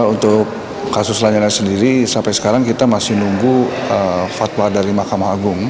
untuk kasus lanyala sendiri sampai sekarang kita masih menunggu fatwa dari mahkamah agung